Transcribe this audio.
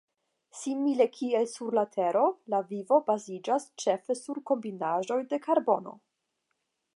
Simile kiel sur la Tero, la vivo baziĝas ĉefe sur kombinaĵoj de karbono.